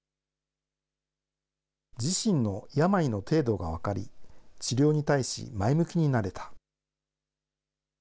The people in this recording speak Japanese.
自身の病の程度が分かり、治療に対し、前向きになれた。